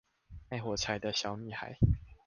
賣火柴的小女孩